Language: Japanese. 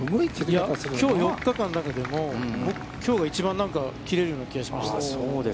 きょう４日間だけでもきょうが一番切れるような気がしました。